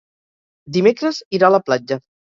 Dimecres irà a la platja.